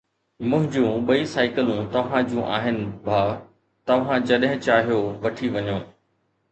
منهنجون ٻئي سائيڪلون توهان جون آهن ڀاءُ، توهان جڏهن چاهيو وٺي وڃو